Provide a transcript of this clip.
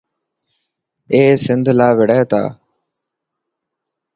اي سنڌ لاءِ وڙهي تا.